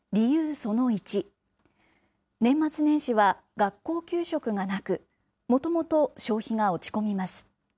その１、年末年始は学校給食がなく、もともと消費が落ち込みます。